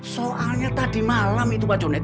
soalnya tadi malam itu pak jonet